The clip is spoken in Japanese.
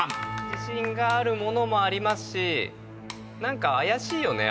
自信があるものもあるし何か怪しいよね